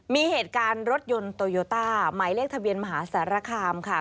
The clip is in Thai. มีเหตุการณ์รถยนต์โตโยต้าหมายเลขทะเบียนมหาสารคามค่ะ